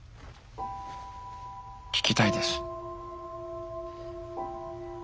聞きたいです。